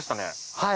はい。